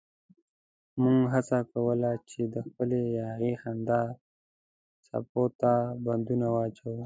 موږ هڅه کوله چې د خپلې یاغي خندا څپو ته بندونه واچوو.